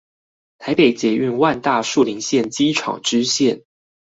台北捷運萬大樹林線機廠支線